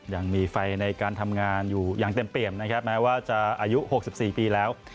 ยังมีไฟในการทำงานอยู่อย่างเต็มเปี่ยมนะครับแม้ว่าจะอายุ๖๔ปีแล้ว